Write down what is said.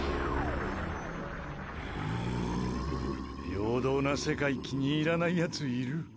平等な世界気に入らないやついる？